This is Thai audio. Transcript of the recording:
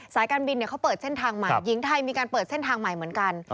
การบินเขาเปิดเส้นทางใหม่หญิงไทยมีการเปิดเส้นทางใหม่เหมือนกัน